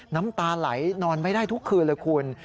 น้ำตาไหลนอนไม่ได้ทุกคืนเลยคุณ